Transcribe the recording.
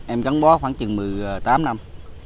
em cắn bó khoảng trường một mươi tám năm